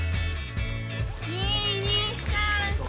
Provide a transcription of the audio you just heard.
２・２・３・４！